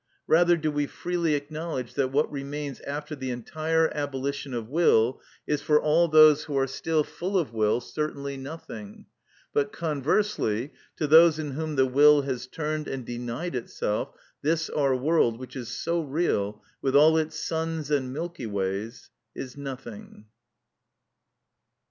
Rather do we freely acknowledge that what remains after the entire abolition of will is for all those who are still full of will certainly nothing; but, conversely, to those in whom the will has turned and has denied itself, this our world, which is so real, with all its suns and milky ways—is nothing.